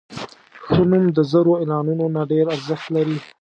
ښه نوم د زرو اعلانونو نه ډېر ارزښت لري.